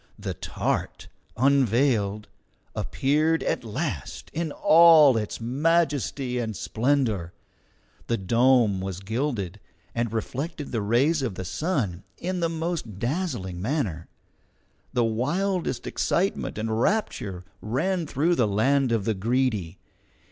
The TART, unveiled, appeared at last in all its majesty and splendour. The dome was gilded, and reflected the rays of the sun in the most dazzling manner. The wildest excitement and rapture ran through the land of the Greedy.